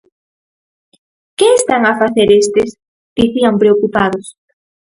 "Que están a facer estes?", dicían preocupados.